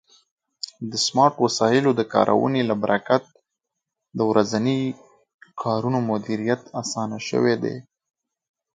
د سمارټ وسایلو د کارونې له برکت د ورځني کارونو مدیریت آسانه شوی دی.